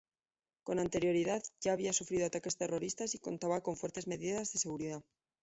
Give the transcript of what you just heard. Con anterioridad ya había sufrido ataques terroristas y contaba con fuertes medidas de seguridad.